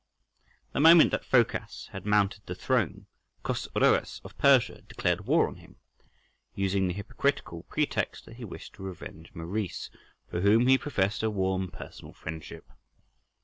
The moment that Phocas had mounted the throne, Chosroës of Persia declared war on him, using the hypocritical pretext that he wished to revenge Maurice, for whom he professed a warm personal friendship.